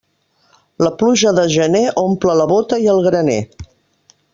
La pluja de gener omple la bóta i el graner.